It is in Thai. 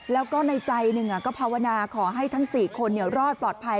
แล้วก็ในใจหนึ่งก็ภาวนาขอให้ทั้ง๔คนรอดปลอดภัย